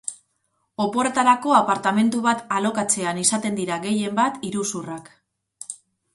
Oporretarako apartamentu bat alokatzean izaten dira, gehienbat, iruzurrak.